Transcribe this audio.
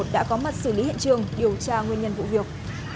đã có mặt xử lý hiện trường điều tra nguyên nhân vụ việc